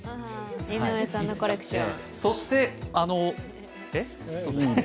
井上さんのコレクション。